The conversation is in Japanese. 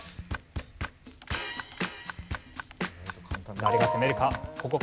誰が攻めるか？